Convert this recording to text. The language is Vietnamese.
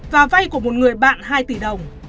và vay của một người bạn hai tỷ đồng